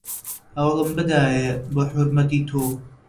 هەوڵم بدایێ بۆ حورمەتی تۆ